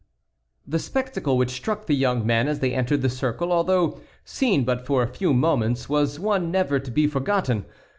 The spectacle which struck the young men as they entered the circle, although seen but for a few moments, was one never to be forgotten.